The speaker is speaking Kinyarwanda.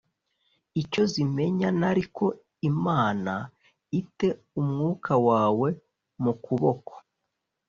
icyo zimenya n ariko imana i te umwuka wawe mu kuboko